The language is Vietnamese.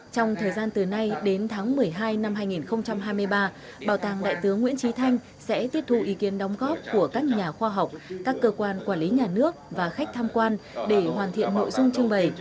trong thời gian từ nay đến tháng một mươi hai năm hai nghìn hai mươi ba bảo tàng đại tướng nguyễn trí thanh sẽ tiếp thu ý kiến đóng góp của các nhà khoa học các cơ quan quản lý nhà nước và khách tham quan để hoàn thiện nội dung trưng bày